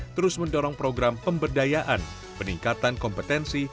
terus mendorong program pemberdayaan peningkatan kompetensi